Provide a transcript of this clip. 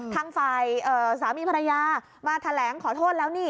ทางฝ่ายสามีภรรยามาแถลงขอโทษแล้วนี่